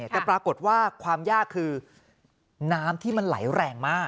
แต่ปรากฏว่าความยากคือน้ำที่มันไหลแรงมาก